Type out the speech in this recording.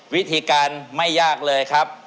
วิธีการไม่ยากเลยครับ